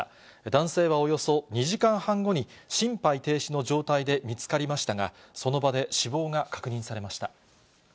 男性はおよそ２時間半後に、心肺停止の状態で見つかりましたが、その場で死亡が確認されました。